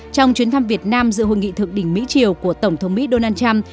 trong chuyến thăm việt nam giữa hội nghị thượng đỉnh mỹ triều của tổng thống mỹ donald trump